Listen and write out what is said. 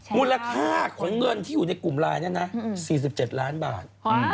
มูลค่าของเงินที่อยู่ในกลุ่มไลน์เนี่ยนะ๔๗ล้านบาท